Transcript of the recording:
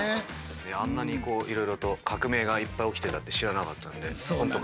あんなにこういろいろと革命がいっぱい起きてたって知らなかったんで本当感謝ですね。